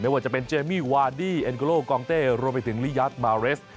ว่าจะเป็นเจมี่วาดี้เอ็นโกโลกองเต้รวมไปถึงลิยาทมาเรส